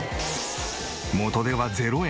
元手は０円！